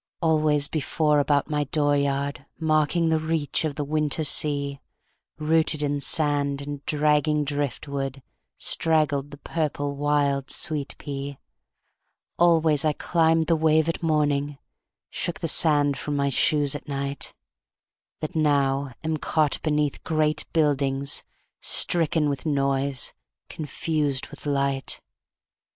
Always before about my dooryard, Marking the reach of the winter sea, Rooted in sand and dragging drift wood, Straggled the purple wild sweet pea; Always I climbed the wave at morning, Shook the sand from my shoes at night, That now am caught beneath great buildings, Stricken with noise, confused with light.